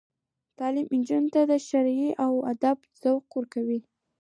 تعلیم نجونو ته د شعر او ادب ذوق ورکوي.